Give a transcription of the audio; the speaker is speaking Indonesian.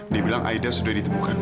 dibilang aida sudah ditemukan